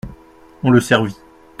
On le servit.